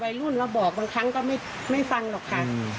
วัยรุ่นเราบอกบางครั้งก็ไม่ฟังหรอกค่ะ